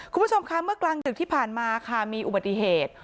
คุณผู้ชมคะเมื่อกลางดึกที่ผ่านมาค่ะมีอุบัติเหตุ